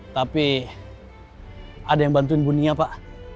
tapi ada yang bantuin bunia pak